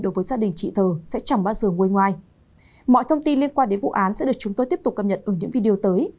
đối với gia đình chị thờ sẽ chẳng bao giờ ngôi ngoài